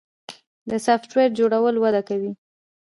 د سافټویر جوړول وده کوي